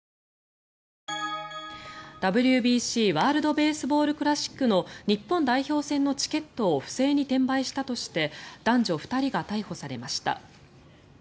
ＷＢＣ＝ワールド・ベースボール・クラシックの日本代表戦のチケットを不正に転売したとして男女２人が逮捕されました。